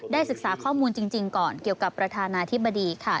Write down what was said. ศึกษาข้อมูลจริงก่อนเกี่ยวกับประธานาธิบดีค่ะ